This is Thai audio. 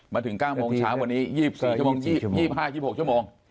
มาถึง๙โมงเช้าวันนี้๒๔โมงที๒๕๒๖โมง